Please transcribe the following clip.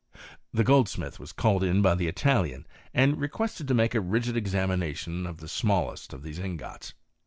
The goldsmith was called in by the Italian, and requested to make a rigid exa mination of the smallest of these ingots.